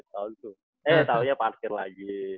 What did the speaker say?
eh tahunnya pasir lagi